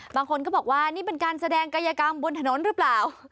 บางคนก็บอกว่านี่เป็นการแสดงกายกรรมบนถนนหรือเปล่า